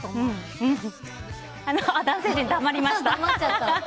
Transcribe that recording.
男性陣黙りました。